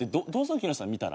木下さんが見たら。